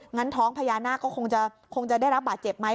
งั้นท้องพญานาคก็คงจะได้รับบาดเจ็บไหม